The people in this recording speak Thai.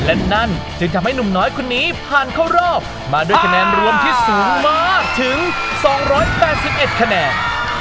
และนั่นจึงทำให้หนุ่มน้อยคนนี้ผ่านเข้ารอบมาด้วยคะแนนรวมที่สูงมากถึง๒๘๑คะแนน